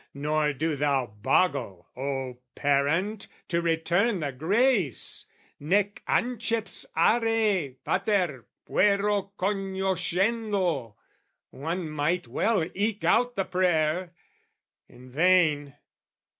Nor do thou Boggle, oh parent, to return the grace Nec anceps hare, pater, puero Cognoscendo one might well eke out the prayer! In vain!